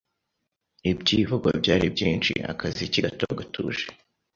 ibyivugo byari byinshi, akaziki gato gatuje,